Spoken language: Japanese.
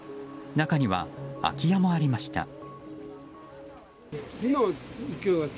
中には空き家もありました。